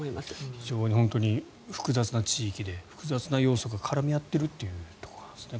非常に、複雑な地域で複雑な要素が絡み合っているというところなんですね